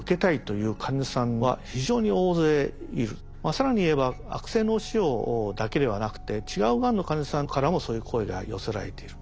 更に言えば悪性脳腫瘍だけではなくて違うがんの患者さんからもそういう声が寄せられている。